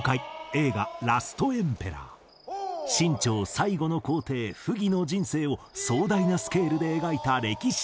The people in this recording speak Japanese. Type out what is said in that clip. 清朝最後の皇帝溥儀の人生を壮大なスケールで描いた歴史大作。